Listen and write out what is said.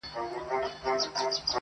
د موږك او د پيشو په منځ كي څه دي!!